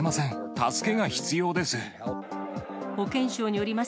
助けが必要です。